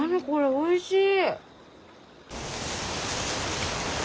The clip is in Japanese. おいしい！